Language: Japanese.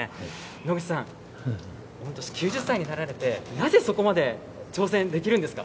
農口さん、御年９０歳になられて、なぜそこまで挑戦できるんですか。